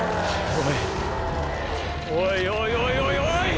おいおいおいおい！！